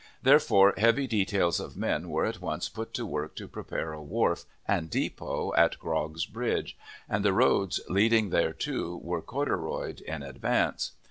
Therefore, heavy details of men were at once put to work to prepare a wharf and depot at Grog's Bridge, and the roads leading thereto were corduroyed in advance.